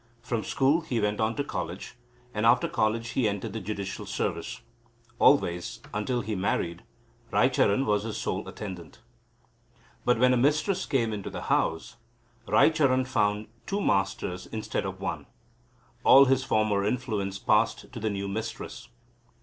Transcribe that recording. From school he went on to college, and after college he entered the judicial service. Always, until he married, Raicharan was his sole attendant. But, when a mistress came into the house, Raicharan found two masters instead of one. All his former influence passed to the new mistress.